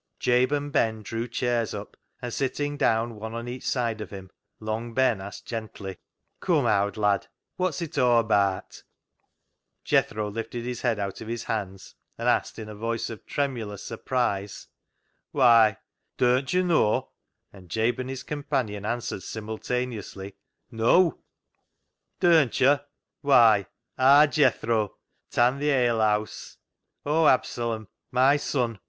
Jabe and Ben drew chairs up, and sitting down one on each side of him, Long Ben asked gently —" Come, owd lad, wot's it aw abaat ?" Jethro lifted his head out of his hands, and asked, in a voice of tremulous surprise —" Why, durn't yo' knaw ?" and Jabe and his companion answered simultaneously, " Neaw !"" Durn't yo' ? Why, aar Jethro ta'n th' alehaase. O Absalom ! my son